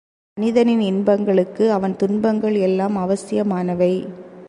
மனிதனின் இன்பங்களுக்கு அவன் துன்பங்கள் எல்லாம் அவசியமானவை.